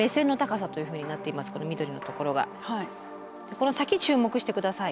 この先注目して下さい。